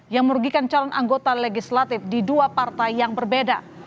yang merugikan calon anggota legislatif di dua partai yang berbeda